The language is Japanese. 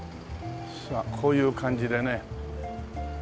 こういう感じでね。